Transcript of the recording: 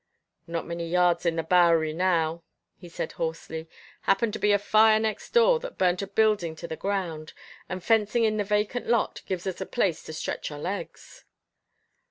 "Not many yards in the Bowery now," he said hoarsely. "Happened to be a fire next door that burnt a building to the ground, and fencing in the vacant lot, gives us a place to stretch our legs."